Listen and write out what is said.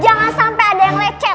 yang gaji kalian semua siapa